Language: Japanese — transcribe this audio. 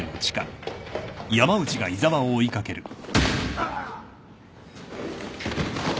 あっ。